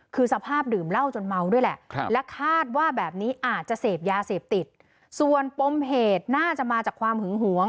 คือสภาพดื่มเหล้าจนเมาด้วยแหละและคาดว่าแบบนี้อาจจะเสพยาเสพติดส่วนปมเหตุน่าจะมาจากความหึงหวง